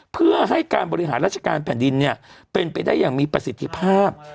เพื่อให้การบริหารราชการแผ่นดินเป็นไปได้อย่างมีประสิทธิภาพ